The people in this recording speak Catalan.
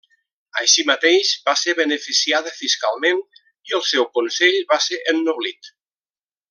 Així mateix va ser beneficiada fiscalment i el seu consell va ser ennoblit.